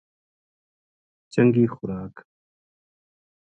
چنگی خوراک